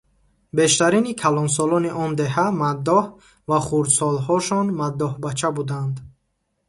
Бештарини калонсолони он деҳа маддоҳ ва хурдсолҳошон «маддоҳбача» буданд.